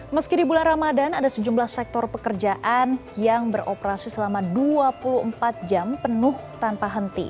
meski di bulan ramadan ada sejumlah sektor pekerjaan yang beroperasi selama dua puluh empat jam penuh tanpa henti